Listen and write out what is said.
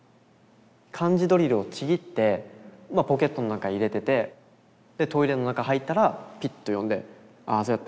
漢字ドリルをちぎってポケットの中入れててでトイレの中入ったらピッと読んで「ああそうやった。